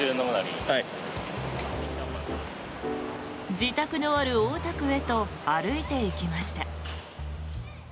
自宅のある大田区へと歩いていきました。